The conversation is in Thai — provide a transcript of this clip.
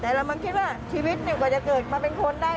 แต่เรามาคิดว่าชีวิตกว่าจะเกิดมาเป็นคนได้